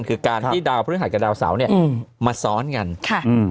คือการที่ดาวพฤหัสกับดาวเสาเนี่ยมาซ้อนกัน